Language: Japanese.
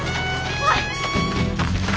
おい！